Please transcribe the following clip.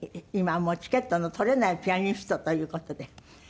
今はもうチケットの取れないピアニストという事で。